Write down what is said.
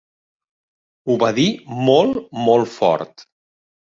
Ho va dir molt, molt fort.